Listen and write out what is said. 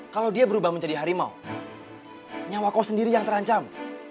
kalau dia berubah menjadi harimau nyawa kau sendiri yang terancam